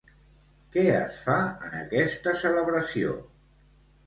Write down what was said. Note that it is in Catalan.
Què es fa en aquesta celebració?